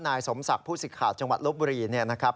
นายสมศักดิ์ผู้สิษฐาจังหวัดลุงหมู